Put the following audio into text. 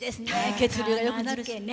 血流がよくなるしね。